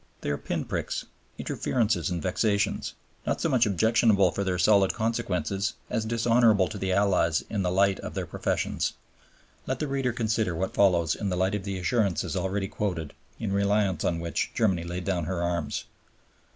They are pin pricks, interferences and vexations, not so much objectionable for their solid consequences, as dishonorable to the Allies in the light of their professions. Let the reader consider what follows in the light of the assurances already quoted, in reliance on which Germany laid down her arms.